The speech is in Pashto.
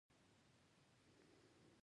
ما نشول کولای چې وژاړم یا چیغې ووهم